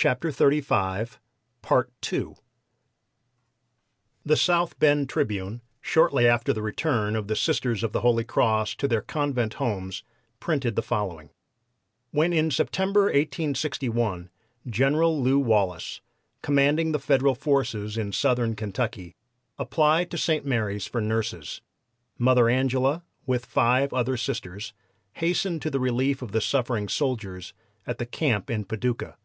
GREGG. "Reading, Pa., Jan. 11, 1898." The South Bend Tribune, shortly after the return of the Sisters of the Holy Cross to their convent homes, printed the following: "When in September, 1861, General Lew Wallace, commanding the Federal forces in Southern Kentucky, applied to St. Mary's for nurses, Mother Angela, with five other Sisters, hastened to the relief of the suffering soldiers at the camp in Paducah.